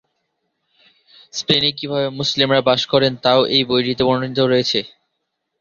স্পেনে কীভাবে মুসলিমরা বাস করেন তাও বইটিতে বর্ণিত হয়েছে।